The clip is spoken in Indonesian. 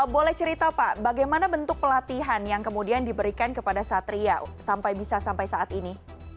boleh cerita pak bagaimana bentuk pelatihan yang kemudian diberikan kepada satria sampai bisa sampai saat ini